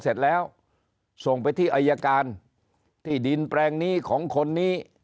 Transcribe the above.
เสร็จแล้วส่งไปที่อายการที่ดินแปลงนี้ของคนนี้